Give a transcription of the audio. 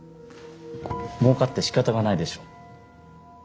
もうかってしかたがないでしょう？